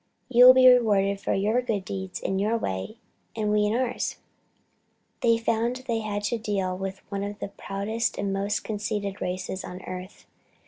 "You will be rewarded for your good deeds in your way, we in our way." They found they had to deal with one of the proudest and most conceited races on earth.